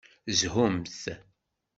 Zhumt!